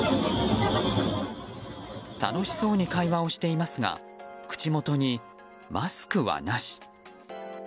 楽しそうに会話をしていますが口元にマスクはなし。